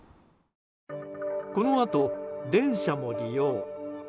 このあと電車も利用。